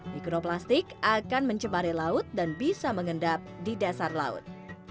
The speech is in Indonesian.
mikroplastik akan mencemari laut dan bisa mengendap di dasar laut